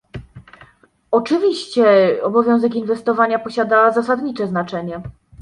Oczywiście, obowiązek inwestowania posiada zasadnicze znaczenie